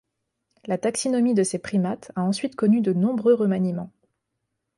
La taxinomie de ces primates a ensuite connu de nombreux remaniements.